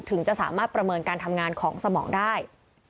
ถึงจะสามารถประเมินการทำงานของสมองได้